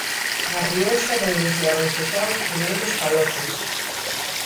Na Rioxa denunciáronse xa os primeiros calotes.